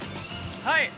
◆はい！